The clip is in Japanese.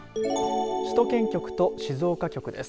首都圏局と静岡局です。